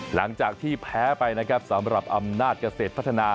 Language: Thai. หลังจากที่แพ้ไปนะครับสำหรับอำนาจเกษตรพัฒนา